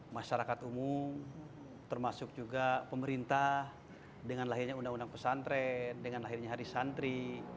masyarakat umum termasuk juga pemerintah dengan lahirnya undang undang pesantren dengan lahirnya hari santri